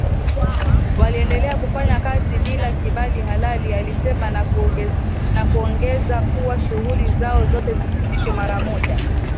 Waliendelea kufanya kazi bila kibali halali alisema na kuongeza kuwa shughuli zao zote zisitishwe mara moja